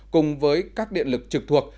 cùng với các điện lực trực thuộc